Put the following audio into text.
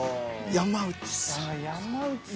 山内さんか。